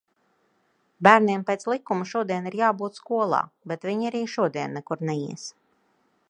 Bērniem pēc likuma šodien ir jābūt skolā, bet viņi arī šodien nekur neies.